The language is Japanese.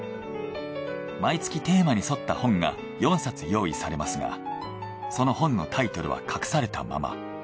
毎月テーマに沿った本が４冊用意されますがその本のタイトルは隠されたまま。